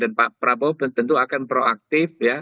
dan pak prabowo tentu akan proaktif